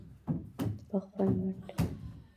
په خپل مټ.